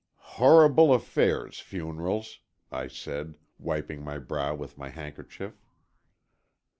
"Horrible affairs, funerals," I said, wiping my brow with my handkerchief.